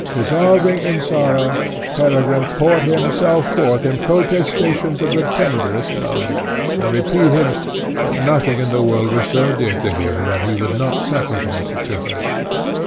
Dissolving in sorrow, Peregrine poured himself forth in protestations of the tenderest love, and repeated, that nothing in the world was so dear to him that he would not sacrifice it to her.